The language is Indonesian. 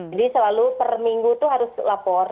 jadi selalu per minggu itu harus lapor